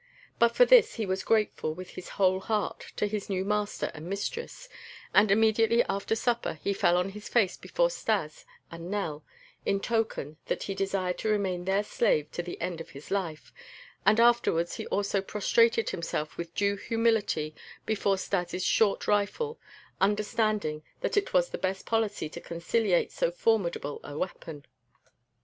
But for this he was grateful with his whole heart to his new master and mistress, and immediately after supper he fell on his face before Stas and Nell in token that he desired to remain their slave to the end of his life, and afterwards he also prostrated himself with due humility before Stas' short rifle, understanding that it was the best policy to conciliate so formidable a weapon.